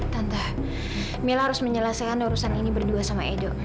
tante mila harus menyelesaikan urusan ini berdua sama edo